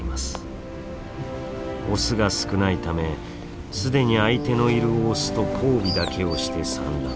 オスが少ないため既に相手のいるオスと交尾だけをして産卵。